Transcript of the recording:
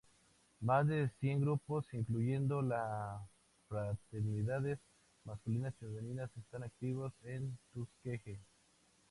Más de cien grupos, incluyendo las fraternidades masculinas y femeninas, están activos en Tuskegee.